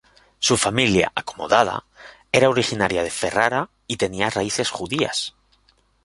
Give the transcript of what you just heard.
Su familia, acomodada, era originaria de Ferrara y tenía raíces judías.